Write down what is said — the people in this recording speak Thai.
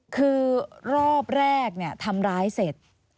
คือรอบแรกทำร้ายเสร็จ